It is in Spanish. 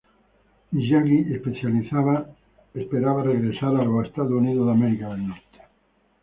Miyagi esperaba regresar a los Estados Unidos.